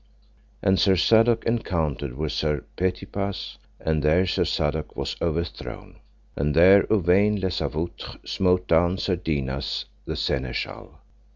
And Sir Sadok encountered with Sir Petipase, and there Sir Sadok was overthrown. And there Uwaine les Avoutres smote down Sir Dinas, the Seneschal.